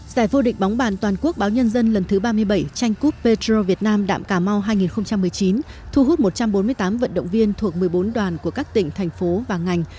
giải vô địch bóng bàn toàn quốc báo nhân dân lần thứ ba mươi bảy tranh cúp petro việt nam đạm cà mau hai nghìn một mươi chín thu hút một trăm bốn mươi tám vận động viên thuộc một mươi bốn đoàn của các tỉnh thành phố và ngành